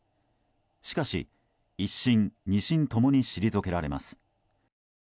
しかし、１審２審共に退けられます。